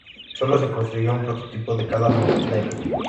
Sólo se construyó un prototipo de cada modelo.